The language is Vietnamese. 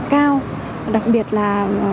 cao đặc biệt là